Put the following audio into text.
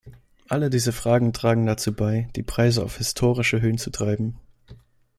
Alle diese Fragen tragen dazu bei, die Preise auf historische Höhen zu treiben.